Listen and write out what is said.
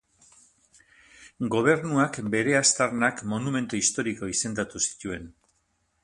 Gobernuak bere aztarnak monumentu historiko izendatu zituen.